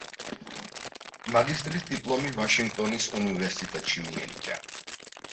მაგისტრის დიპლომი ვაშინგტონის უნივერსიტეტში მიენიჭა.